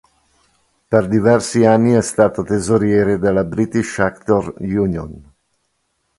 Per diversi anni è stato tesoriere della British Actors 'Union.